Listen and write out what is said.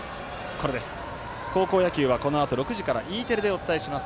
高校野球はこのあと６時からＥテレでお伝えします。